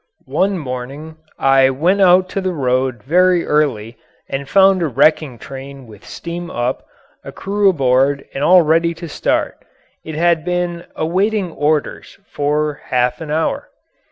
One morning I went out to the road very early and found a wrecking train with steam up, a crew aboard and all ready to start. It had been "awaiting orders" for half an hour.